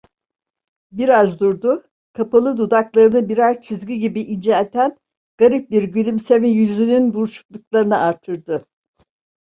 Biraz durdu, kapalı dudaklarını birer çizgi gibi incelten garip bir gülümseme yüzünün buruşuklarını artırdı.